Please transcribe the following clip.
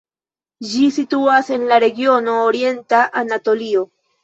Ĝi situas en la regiono Orienta Anatolio.